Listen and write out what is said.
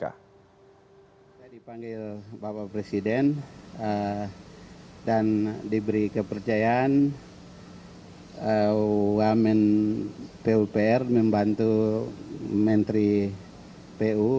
saya dipanggil bapak presiden dan diberi kepercayaan wamen pupr membantu menteri pu